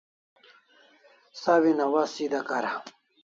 Sawin awaz sida kara